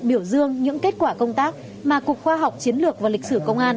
biểu dương những kết quả công tác mà cục khoa học chiến lược và lịch sử công an